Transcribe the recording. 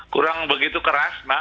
kurang begitu keras mak